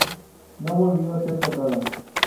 No volvió a ser tocada.